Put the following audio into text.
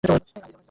আজই যাবো।